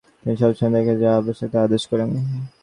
তিনি সব দেখিয়া যাহা আবশ্যক, তাহা আদেশ করেন।